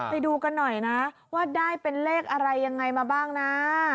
ไปดูกันหน่อยนะว่าได้เป็นเลขอะไรยังไงมาบ้างนะ